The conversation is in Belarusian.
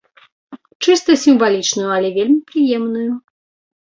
Чыста сімвалічную, але вельмі прыемную.